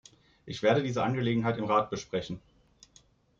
Ich werde diese Angelegenheit im Rat besprechen.